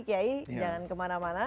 kiai jangan kemana mana